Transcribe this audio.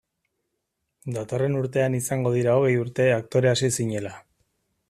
Datorren urtean izango dira hogei urte aktore hasi zinela.